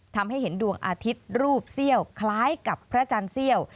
ทำให้เห็นดวงอาทิตย์รูปเซี่ยวคล้ายกับพระจันทร์เซี่ยว